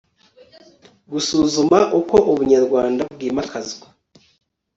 gusuzuma uko ubunyarwanda bwimakazwa